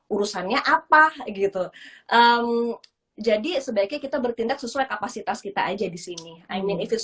urusannya apa gitu jadi sebaiknya kita bertindak sesuai kapasitas kita aja di sini i mean it is